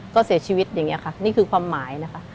ก็เสียชีวิตอย่างนี้ค่ะนี่คือความหมายนะคะ